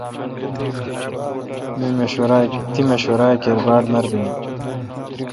تی مشورہ کیر باڑ مربینی۔